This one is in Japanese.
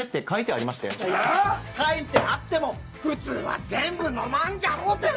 あぁ⁉書いてあっても普通は全部飲まんじゃろうて！